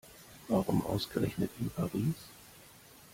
Warum ausgerechnet in Paris?